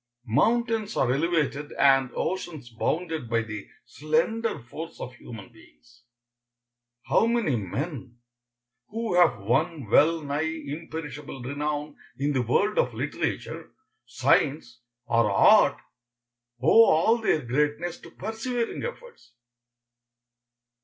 Mountains are elevated and oceans bounded by the slender force of human beings. How many men, who have won well nigh imperishable renown in the world of literature, science, or art, owe all their greatness to persevering efforts?